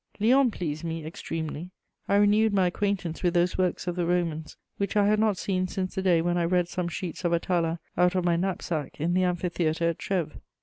Lyons pleased me extremely. I renewed my acquaintance with those works of the Romans which I had not seen since the day when I read some sheets of Atala out of my knapsack in the amphitheatre at Trèves.